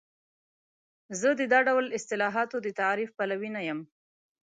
زه د دا ډول اصطلاحاتو د تعریف پلوی نه یم.